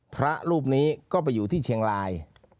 พระรูปนี้ก็ไปอยู่ที่เชียงราย